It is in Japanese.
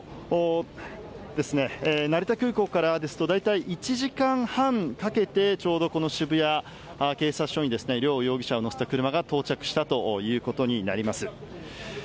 成田空港からですと大体１時間半かけてちょうど渋谷警察署に両容疑者を乗せた車が到着したということになります。